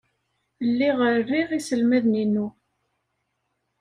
Lliɣ riɣ iselmaden-inu.